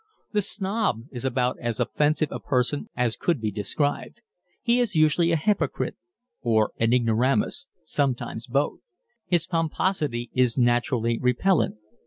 The snob is about as offensive a person as could be described. He is usually a hypocrite or an ignoramus sometimes both. His pomposity is naturally repellent.